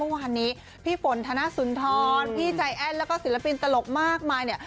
เมื่อวานนี้พี่ฝนธนสุนทรพี่ใจแอ้นแล้วก็ศิลปินตลกมากมายเนี่ย